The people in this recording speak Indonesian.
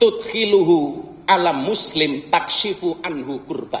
sururun tutkhiluhu ala muslim takshifu anhu qurbatan